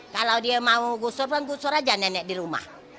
kalau dia mau gusur kan gusur aja nenek di rumah